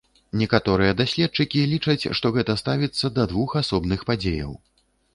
Некаторыя даследчыкі лічаць, што гэта ставіцца да двух асобных падзеяў.